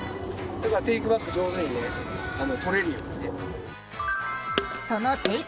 だからテイクバック上手にね取れるようにね。